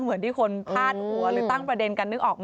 เหมือนที่คนพลาดหัวหรือตั้งประเด็นกัน